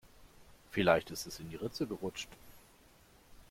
Vielleicht ist es in die Ritze gerutscht.